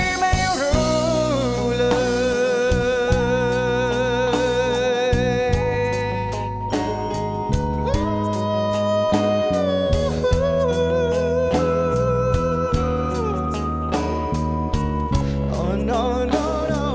ฉันไม่เข้าใจระหว่างเรามันควรเป็นเชิญไร